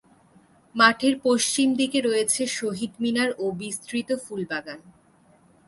মাঠের পশ্চিম দিকে রয়েছে শহীদ মিনার ও বিস্তৃত ফুল বাগান।